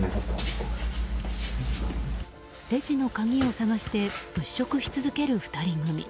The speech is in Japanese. レジの鍵を探して物色し続ける２人組。